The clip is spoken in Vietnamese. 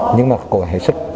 nhưng mà cố gắng hết sức